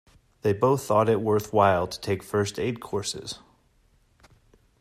They both thought it worthwhile to take first aid courses.